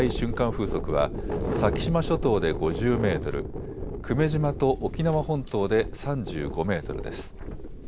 風速は先島諸島で５０メートル、久米島と沖縄本島で３５メートルです。